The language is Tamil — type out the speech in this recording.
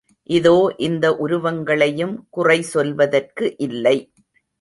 இதோ இந்த உருவங்களையும் குறை சொல்வதற்கு இல்லை.